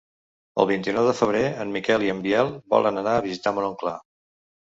El vint-i-nou de febrer en Miquel i en Biel volen anar a visitar mon oncle.